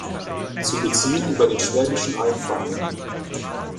Zu beziehen über den Schwäbischen Albverein.